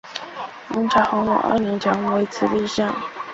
明朝洪武二年降为慈利县。